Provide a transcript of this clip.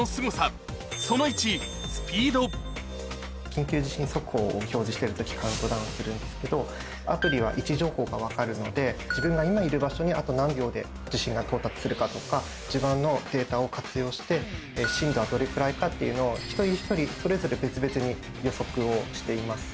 緊急地震速報を表示してる時カウントダウンするんですけどアプリは位置情報が分かるので自分が今いる場所にあと何秒で地震が到達するかとか地盤のデータを活用して震度はどれくらいかっていうのを一人一人それぞれ別々に予測をしています。